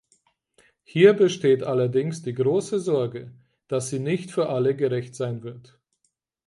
Hier besteht allerdings die große Sorge, dass sie nicht für alle gerecht sein wird.